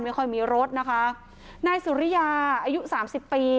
ไม่ค่อยมีรถนะคะนายสุริยาอายุสามสิบปี